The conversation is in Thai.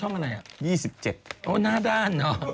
อ๋อหน้าด้าน